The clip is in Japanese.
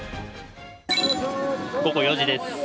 午後４時です。